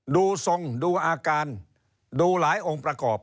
ดูทรงดูอาการดูหลายองค์ประกอบ